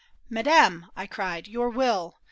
" Madame," I cried, " your will !